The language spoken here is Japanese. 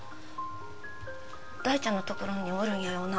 大ちゃんのところにおるんやよな